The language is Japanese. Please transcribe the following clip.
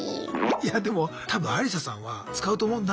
いやでも多分アリサさんは使うと思うんだ。